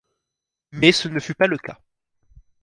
Mais ce ne fut pas le cas.